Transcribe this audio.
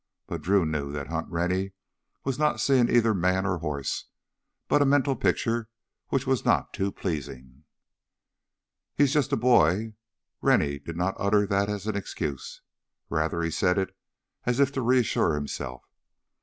But Drew knew that Hunt Rennie was not seeing either man or horse, but a mental picture which was not too pleasing. "He's just a boy." Rennie did not utter that as an excuse; rather he said it as if to reassure himself.